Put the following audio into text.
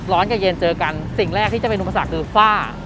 กับเย็นเจอกันสิ่งแรกที่จะเป็นอุปสรรคคือฝ้า